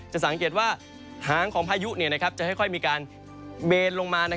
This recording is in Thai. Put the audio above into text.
จะสังเกตว่าหางของพายุจะค่อยมีการเบนลงมา